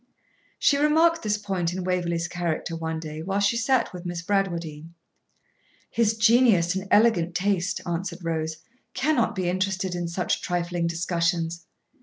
She remarked this point in Waverley's character one day while she sat with Miss Bradwardine. 'His genius and elegant taste,' answered Rose, 'cannot be interested in such trifling discussions.